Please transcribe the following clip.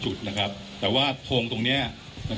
คุณผู้ชมไปฟังผู้ว่ารัฐกาลจังหวัดเชียงรายแถลงตอนนี้ค่ะ